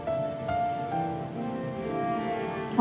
aku mau pergi ke rumah